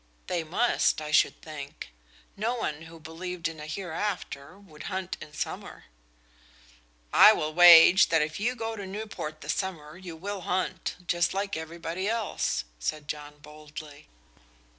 "They must, I should think; no one who believed in a hereafter would hunt in summer." "I will wager that if you go to Newport this summer you will hunt, just like everybody else," said John boldly.